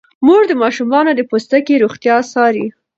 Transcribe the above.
مور د ماشومانو د پوستکي روغتیا څاري.